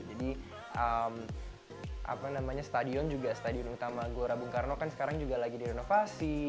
apa namanya stadion juga stadion utama gelora bung karno kan sekarang juga lagi direnovasi